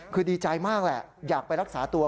คือดีใจมากแหละอยากไปรักษาตัว